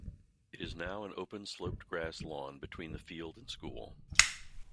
It is now an open sloped grass lawn between the field and school.